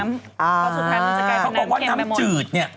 เขาบอกว่าน้ำจืดเนี่ย